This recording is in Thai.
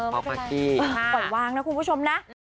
ป๊อกพลักกี้ค่ะปล่อยวางนะคุณผู้ชมนะ